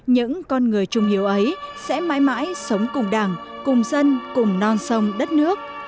những con người trung hiếu ấy sẽ mãi mãi sống cùng đảng cùng dân cùng non sông đất nước